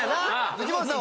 藤本さん